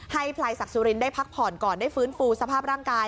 พลายศักดิ์สุรินได้พักผ่อนก่อนได้ฟื้นฟูสภาพร่างกาย